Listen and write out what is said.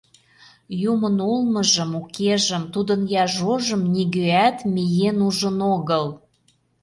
Юмын улмыжым, укежым, тудын яжожым нигӧат миен ужын огыл.